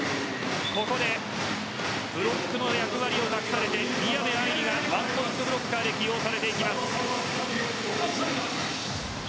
ここでブロックの役割を考えて宮部藍梨がワンポイントブロッカーで起用されます。